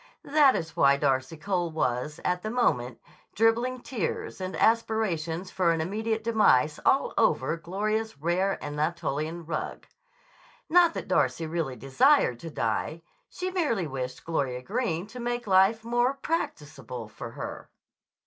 That is why Darcy Cole was, at the moment, dribbling tears and aspirations for an immediate demise all over Gloria's rare Anatolian rug. Not that Darcy really desired to die. She merely wished Gloria Greene to make life more practicable for her.